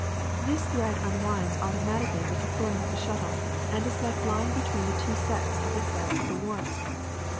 This thread unwinds automatically with the throwing of the shuttle, and is left lying be tween the two sets of threads of the warp.